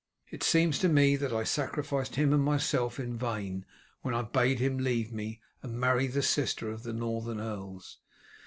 It seems to me that I sacrificed him and myself in vain when I bade him leave me and marry the sister of the Northern earls.